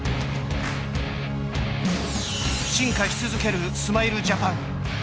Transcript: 進化し続けるスマイルジャパン。